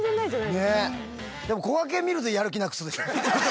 でもこがけん見るとやる気なくすでしょ。